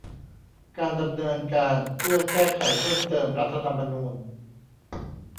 การดำเนินการเพื่อแก้ไขเพิ่มเติมรัฐธรรมนูญ